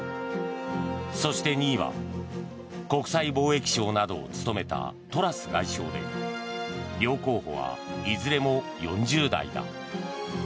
そして２位は国際貿易相などを務めたトラス外相で両候補はいずれも４０代だ。